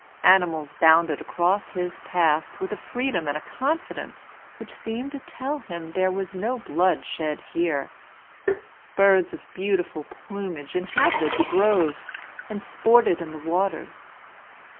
Animals bounded across his path, with a freedom and a confidence which seemed to tell him there was no blood shed here. Birds of beautiful plumage inhabited the groves, and sported in the waters.